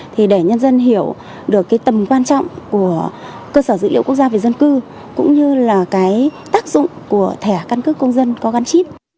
thì để nhân dân hiểu được cái tầm quan trọng của cơ sở dữ liệu quốc gia về dân cư cũng như là cái tác dụng của thẻ căn cước công dân có gắn chip